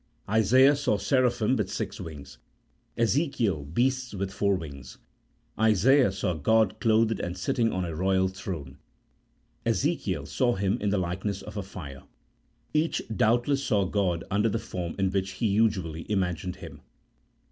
Isaiah 32 A THEOLOGICO POLITICAL TREATISE. [CHAP. II. saw serapliim with six wings, Ezekiel "beasts with four wings; Isaiah saw God clothed and sitting on a royal throne, Ezekiel saw Him in the likeness of a fire; each doubtless saw God under the form in which he usually imagined Him.